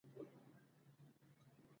دماغ یو نیم کیلو وزن لري.